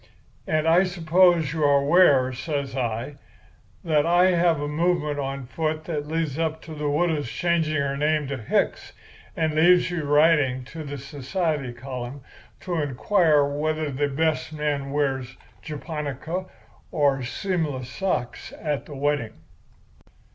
And I suppose you are aware,' says I, 'that I have a movement on foot that leads up to the widow's changing her name to Hicks, and leaves you writing to the society column to inquire whether the best man wears a japonica or seamless socks at the wedding!